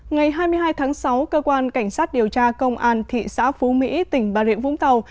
ngày hai mươi hai tháng sáu cơ quan cảnh sát điều tra công an thị xã phú mỹ tỉnh bà rịa vũng tàu